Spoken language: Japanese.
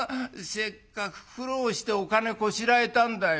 せっかく苦労してお金こしらえたんだよ。